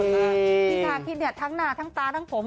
พี่ชาคิดเนี่ยทั้งหน้าทั้งตาทั้งผม